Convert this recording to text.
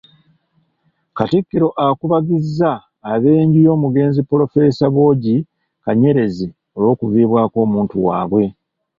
Katikkiro akubagizza ab'enju y'omugenzi Pulofeesa Bwogi Kanyerezi olw'okuviibwako omuntu waabwe.